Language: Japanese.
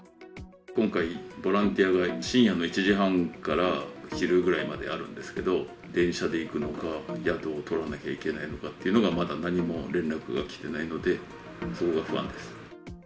今回、ボランティアが深夜の１時半から昼ぐらいまであるんですけど、電車で行くのか、宿を取らなきゃいけないのかっていうのが、まだ何も連絡が来てないので、それが不安です。